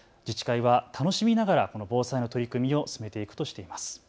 自治会は楽しみながらこの防災の取り組みを進めていくとしています。